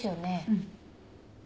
うん。